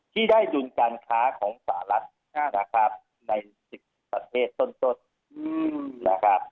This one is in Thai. ที่ได้ดุลการค้าของสหรัฐนะครับใน๑๐ประเทศต้นนะครับ